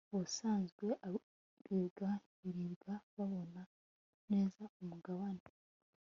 ubusanzwe abirwa birirwa babona neza umugabane